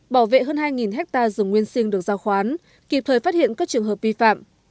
bảo vệ hơn hai hectare rừng nguyên sinh được giao khoán kịp thời phát hiện các trường hợp vi phạm